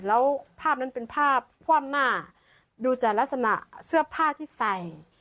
แล้วภาพนั้นเป็นภาพคว่ำหน้าดูจากลักษณะเสื้อผ้าที่ใส่